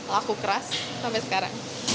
laku keras sampai sekarang